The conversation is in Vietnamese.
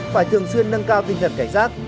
phải thường xuyên nâng cao kinh thần cảnh giác